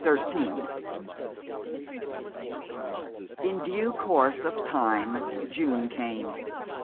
XIII In due course of time June came.